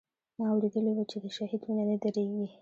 ما اورېدلي و چې د شهيد وينه نه درېږي.